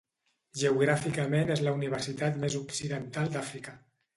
Geogràficament és la universitat més occidental d'Àfrica.